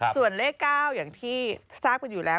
ส่วนเลข๙อย่างที่ทราบกันอยู่แล้ว